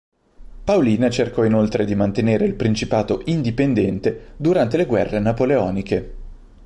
Paolina cercò inoltre di mantenere il principato indipendente durante le Guerre napoleoniche.